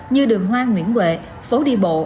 như đường hoa nguyễn huệ phố đi bộ